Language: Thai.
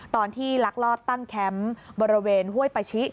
ตอนที่ลักลอบตั้งแคมป์บริเวณห้วยปาชิ